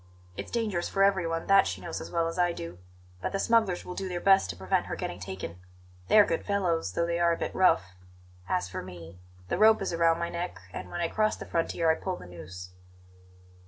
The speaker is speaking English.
It's dangerous for everyone; that she knows as well as I do; but the smugglers will do their best to prevent her getting taken. They are good fellows, though they are a bit rough. As for me, the rope is round my neck, and when I cross the frontier I pull the noose."